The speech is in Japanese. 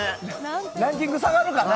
ランキング下がるかな？